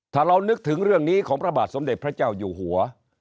ถ้าเรานึกถึงเรื่องนี้ของพระบาทสมเด็จพระเจ้าอยู่หัว